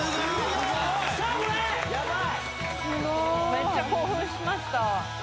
めっちゃ興奮しました。